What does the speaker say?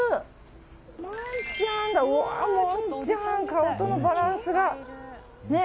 顔とのバランスがね